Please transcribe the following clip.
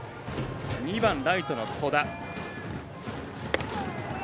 ２番ライトの戸田。